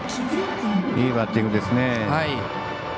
いいバッティングですね。